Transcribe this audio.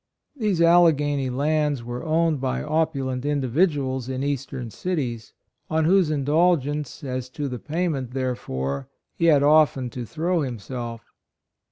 These Alleghany lands were owned by opulent individuals in eastern cities, on whose indulgence as to the payment therefor, he had often to throw himself.